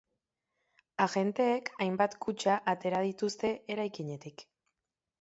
Agenteek hainbat kutxa atera dituzte eraikinetik.